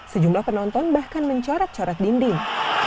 sejumlah penonton bahkan mencoret coret dinding